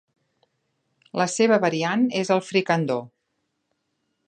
La seva variant és el fricandó.